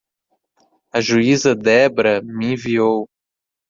A juíza Debra me enviou.